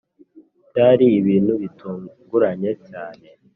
byari ibintu bitunguranye cyane